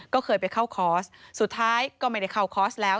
ก็เคยไปเข้าคอร์สสุดท้ายก็ไม่ได้เข้าคอร์สแล้ว